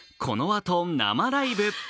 このあと生ライブ。